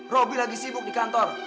robby lagi sibuk di kantor